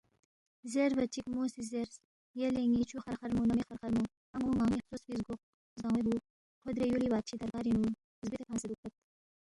زیربا چِک مو سی زیرس، یلے ن٘ی چھُو خرخرمو نہ مے خرخرمو، ان٘و مان٘نی خسوسفی زگوق زان٘وے بُو، کھو درے یُولی بادشی دربارِنگ نُو زبدے فنگسے دُوکپت